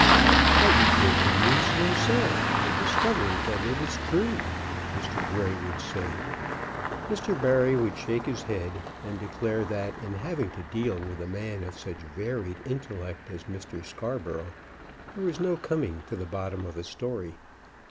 "But you've been to Nice, yourself, and discovered that it is true," Mr. Grey would say. Mr. Barry would shake his head, and declare that in having to deal with a man of such varied intellect as Mr. Scarborough there was no coming at the bottom of a story.